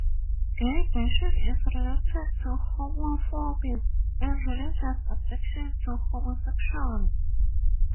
Gay-bashing is related to homophobia and religious objections to homosexuality.